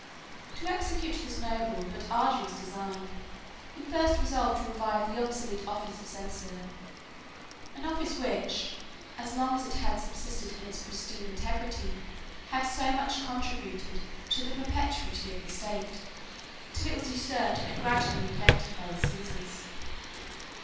To execute this noble but arduous design, he first resolved to revive the obsolete office of censor; an office which, as long as it had subsisted in its pristine integrity, had so much contributed to the perpetuity of the state, 37 till it was usurped and gradually neglected by the Cæsars.